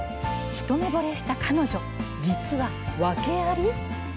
一目ぼれした彼女、実は訳あり。